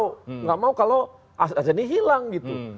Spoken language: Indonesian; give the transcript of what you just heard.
tidak mau kalau aset aset ini hilang gitu